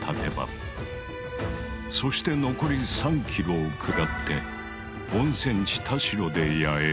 そして残り３ｋｍを下って温泉地・田代で野営。